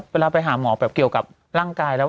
เวลาไปหาหมอแบบเกี่ยวกับร่างกายแล้ว